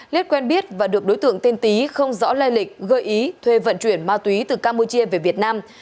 lết quen biết và được đối tượng tên tý không rõ lai lịch gợi ý thuê vận chuyển ma túy từ campuchia về việt nam